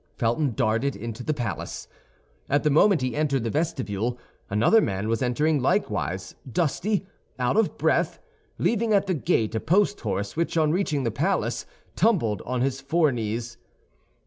Felton darted into the palace. At the moment he entered the vestibule, another man was entering likewise, dusty, out of breath, leaving at the gate a post horse, which, on reaching the palace, tumbled on his foreknees.